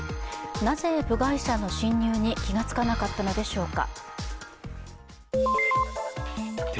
なぜ部外者の侵入に気がつかなかったのでしょうか。